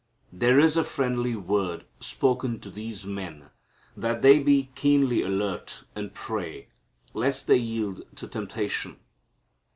There is a friendly word spoken to these men that they be keenly alert, and pray, lest they yield to temptation.